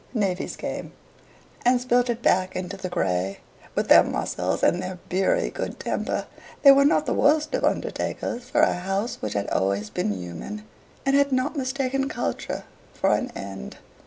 Navvies came, and spilt it back into the grey. With their muscles and their beery good temper, they were not the worst of undertakers for a house which had always been human, and had not mistaken culture for an end.